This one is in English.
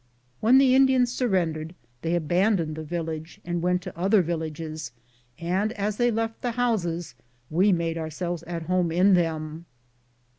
When the Indians surrendered, they abandoned the village and went to the other villages, and as they left the houses we made ourselves at home in them.